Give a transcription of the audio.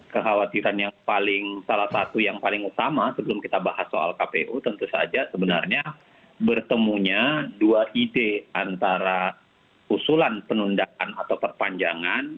kekhawatiran yang paling salah satu yang paling utama sebelum kita bahas soal kpu tentu saja sebenarnya bertemunya dua ide antara usulan penundaan atau perpanjangan